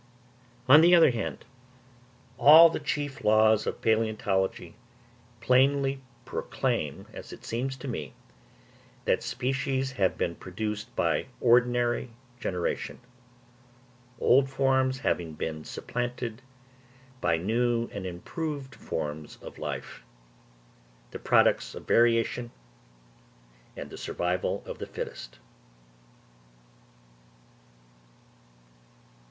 On the other hand, all the chief laws of palæontology plainly proclaim, as it seems to me, that species have been produced by ordinary generation: old forms having been supplanted by new and improved forms of life, the products of variation and the survival of the fittest.